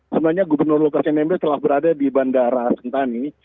sebenarnya gubernur lukas nmb telah berada di bandara sentani